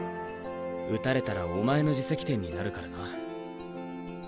打たれたらお前の自責点になるからな。